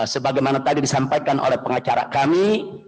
sebagaimana tadi disampaikan oleh pengacara kami